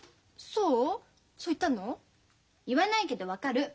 言わないけど分かる。